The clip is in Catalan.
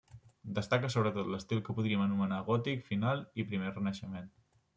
Destaca sobretot l'estil que podríem anomenar gòtic final i primer renaixement.